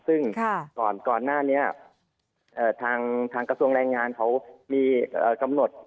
ซึ่งก่อนหน้านี้ทางกระทรวงแรงงานเขามีกำหนด